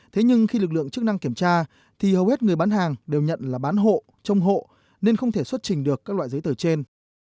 thế nhưng khi lực lượng chức năng kiểm tra thì hầu hết người bán hàng đều nhận là bán hộ trong hộ nên không thể xuất trình được các loại giấy tờ trên